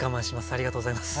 ありがとうございます。